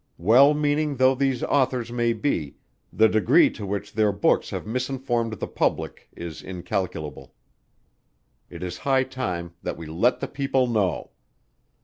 Well meaning though these authors may be, the degree to which their books have misinformed the public is incalculable. It is high time that we let the people know.